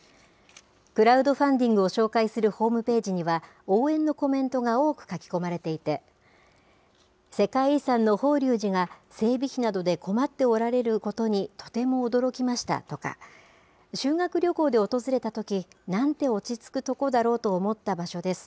クラウドファンディングを紹介するホームページには、応援のコメントが多く書き込まれていて、世界遺産の法隆寺が整備費などで困っておられることにとても驚きましたとか、修学旅行で訪れたとき、なんて落ち着くとこだろうと思った場所です。